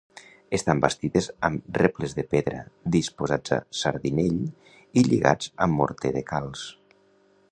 Estan bastides amb rebles de pedra disposats a sardinell, i lligats amb morter de calç.